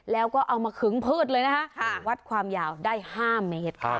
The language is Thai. แล้วก็เอามาขึงพืชเลยนะคะวัดความยาวได้๕เมตร